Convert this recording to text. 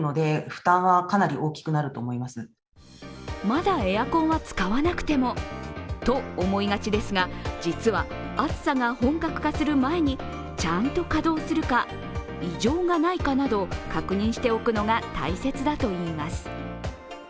まだエアコンは使わなくてもと思いがちですが実は暑さが本格化する前にちゃんと稼働するか異常がないかなど確認しておくのが大切だといいます。